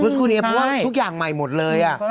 เมื่อสักครู่นี้ทุกอย่างใหม่หมดเลยอ่ะ